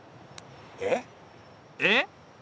えっ？えっ？